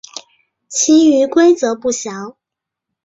其余规则不详。